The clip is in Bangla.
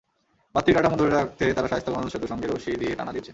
বাঁধটির কাঠামো ধরে রাখতে তাঁরা শায়েস্তাগঞ্জ সেতুর সঙ্গে রশি দিয়ে টানা দিয়েছেন।